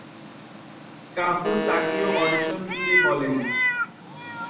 কাপুর তাকেও অডিশন দিতে বলেন।